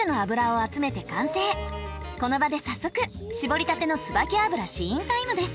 この場で早速搾りたてのつばき油試飲タイムです。